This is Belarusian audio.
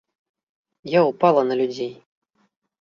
Я ўпала на людзей.